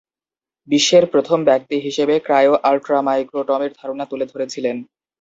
বিশ্বের প্রথম ব্যক্তি হিসেবে ক্রায়ো-আল্ট্রামাইক্রোটমির ধারণা তুলে ধরেছিলেন।